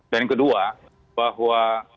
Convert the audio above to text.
dan kedua bahwa